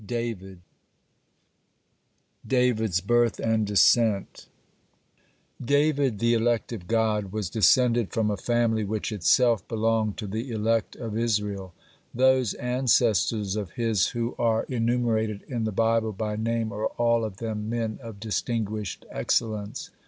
DAVID DAVID'S BIRTH AND DESCENT David, the "elect of God," (1) was descended from a family which itself belonged to the elect of Israel. Those ancestors of his who are enumerated in the Bible by name are all of them men of distinguished excellence.